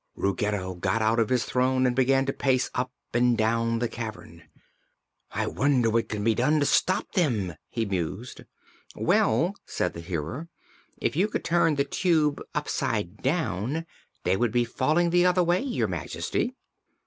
Ruggedo got out of his throne and began to pace up and down the cavern. "I wonder what can be done to stop them," he mused. "Well," said the Hearer, "if you could turn the Tube upside down, they would be falling the other way, Your Majesty."